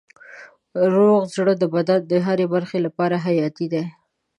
روغ زړه د بدن د هرې برخې لپاره حیاتي دی.